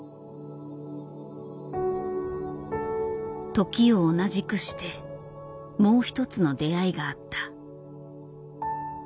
時を同じくしてもう一つの出会いがあった。